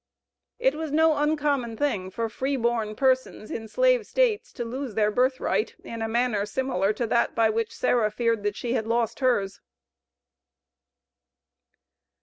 It was no uncommon thing for free born persons in slave States to lose their birth right in a manner similar to that by which Sarah feared that she had lost hers.